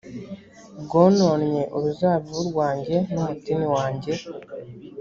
bwononnye uruzabibu rwanjye n umutini wanjye